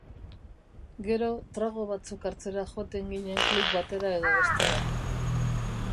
Gero, trago batzuk hartzera joaten ginen klub batera edo bestera.